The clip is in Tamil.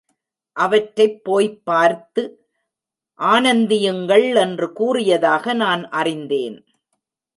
அவற்றைப் போய்ப் பார்த்து ஆனந்தியுங்கள் என்று கூறியதாக நான் அறிந்தேன்.